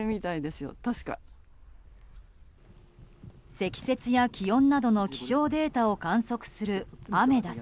積雪や気温などの気象データを観測するアメダス。